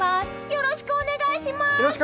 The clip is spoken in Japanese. よろしくお願いします！